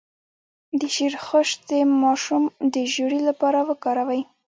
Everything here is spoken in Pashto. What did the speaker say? د شیرخشت د ماشوم د ژیړي لپاره وکاروئ